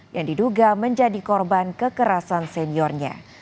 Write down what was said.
yang diduga menjadi korban kekerasan seniornya